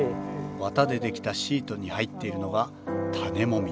綿で出来たシートに入っているのが「種もみ」